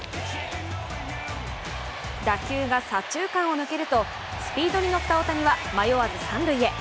打球が左中間を抜けるとスピードに乗った大谷は迷わず三塁へ。